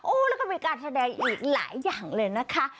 แล้วก็มีการแสดงอีกหลายอย่างเลยนะคะ